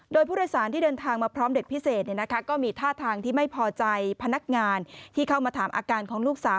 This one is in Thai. โดยผู้โดยสารที่เดินทางมาพร้อมเด็กพิเศษก็มีท่าทางที่ไม่พอใจพนักงานที่เข้ามาถามอาการของลูกสาว